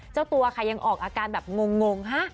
เจ้าตัวค่ะยังออกอาการแบบงงฮะ